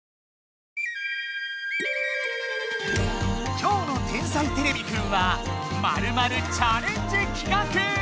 今日の「天才てれびくん」は「○○チャレンジ企画」！